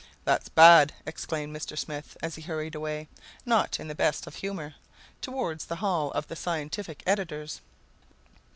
"That's bad," exclaimed Mr. Smith, as he hurried away, not in the best of humor, toward the hall of the scientific editors.